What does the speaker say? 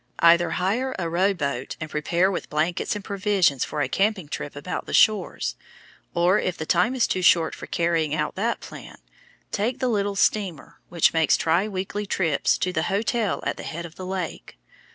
Either hire a rowboat and prepare with blankets and provisions for a camping trip about the shores; or if the time is too short for carrying out that plan, take the little steamer which makes tri weekly trips to the hotel at the head of the lake.